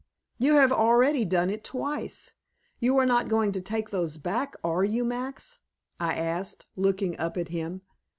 "You have already done it twice. You are not going to take those back, are you, Max?" I asked, looking up at him.